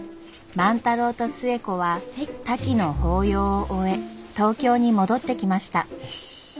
万太郎と寿恵子はタキの法要を終え東京に戻ってきました。